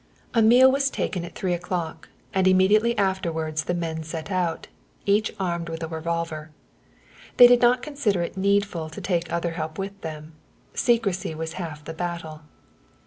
A meal was taken at three o'clock and immediately afterwards the men set out, each armed with a revolver. They did not consider it needful to take other help with them secrecy was half the battle.